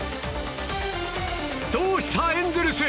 どうした、エンゼルス？